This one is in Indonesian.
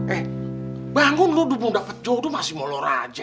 eh bangun lu belum dapet jodoh masih mau lorak aja